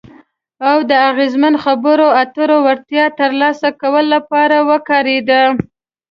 او د اغیزمنو خبرو اترو وړتیا ترلاسه کولو لپاره وکارېده.